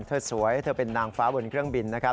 เธอสวยเธอเป็นนางฟ้าบนเครื่องบินนะครับ